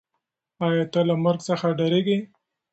آیا ته له مرګ څخه ډارېږې؟